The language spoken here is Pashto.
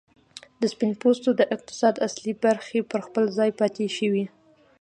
د سپین پوستو د اقتصاد اصلي برخې پر خپل ځای پاتې شوې.